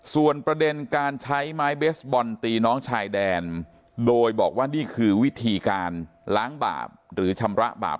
ส่วนประเด็นการใช้ไม้เบสบอลตีน้องชายแดนโดยบอกว่านี่คือวิธีการล้างบาปหรือชำระบาป